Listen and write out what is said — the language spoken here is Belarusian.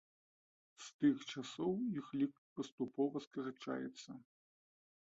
З тых часоў іх лік паступова скарачаецца.